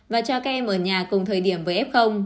và cho các em ở nhà cùng thời điểm với f